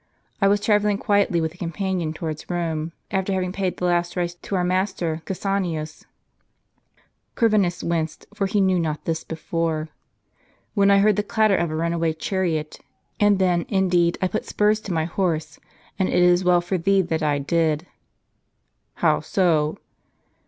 I was travelling quietly with a companion towards Rome, after having paid the last rites to our master Cassianus " (Corvinus winced, for he knew not this before), " when I heard the clatter of a runaway chariot ; and then, indeed, I put spurs to my horse ; and it is well for thee that I did." "How so?"